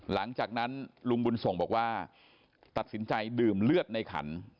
หลังจากนั้นลุงบุญส่งบอกว่าตัดสินใจดื่มเลือดในขัน